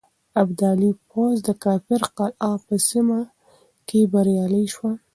ابدالي پوځ د کافر قلعه په سيمه کې بريالی شو.